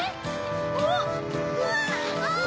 おっうわっ！